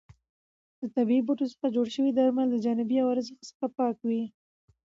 د طبیعي بوټو څخه جوړ شوي درمل د جانبي عوارضو څخه پاک وي.